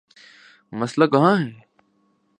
مسئلہ کہاں ہے؟